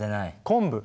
昆布。